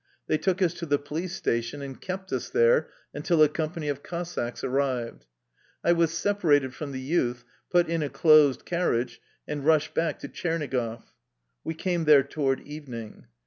They took us to the police station and kept us there until a company of Cossacks arrived. I was separated from the youth, put in a closed car riage, and rushed back to Tchernigoff. We came there toward evening.